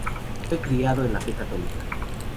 Fue criado en la fe católica.